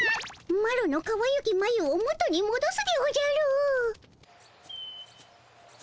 マロのかわゆきまゆを元にもどすでおじゃる。